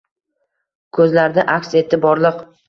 Ko’zlarida aks etdi borliq.